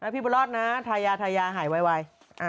พี่บุตรรอศนะฮะทายาหายวัย